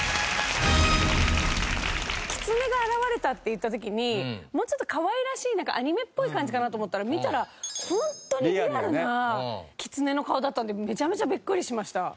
キツネが現れたって言った時にもうちょっとかわいらしいアニメっぽい感じかなと思ったら見たらホントにリアルなキツネの顔だったのでめちゃめちゃビックリしました。